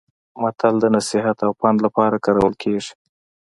متل د نصيحت او پند لپاره کارول کیږي